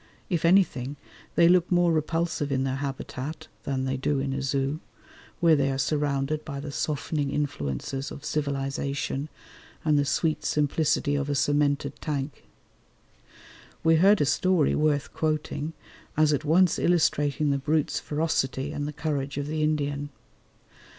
If anything, they look more repulsive in their habitat than they do in a Zoo, where they are surrounded by the softening influences of civilisation and the sweet simplicity of a cemented tank. We heard a story worth quoting, as at once illustrating the brute's ferocity and the courage of the Indian.